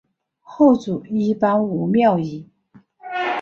后主一般无庙谥。